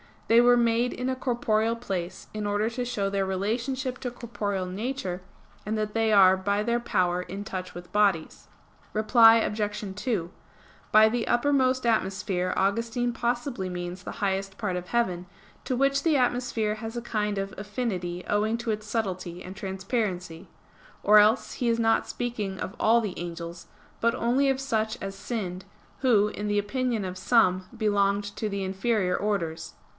They were made in a corporeal place in order to show their relationship to corporeal nature, and that they are by their power in touch with bodies. Reply Obj. 2: By the uppermost atmosphere Augustine possibly means the highest part of heaven, to which the atmosphere has a kind of affinity owing to its subtlety and transparency. Or else he is not speaking of all the angels; but only of such as sinned, who, in the opinion of some, belonged to the inferior orders.